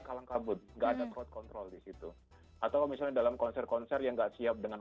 kalangkabut gak ada crowd control di situ atau misalnya dalam konser konser yang gak siap dengan